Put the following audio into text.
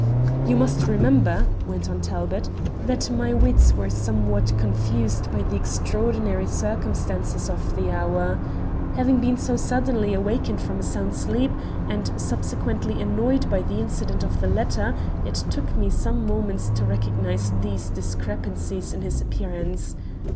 "You must remember," went on Talbot, "that my wits were somewhat confused by the extraordinary circumstances of the hour. Having been so suddenly awakened from a sound sleep, and subsequently annoyed by the incident of the letter, it took me some moments to recognize these discrepancies in his appearance.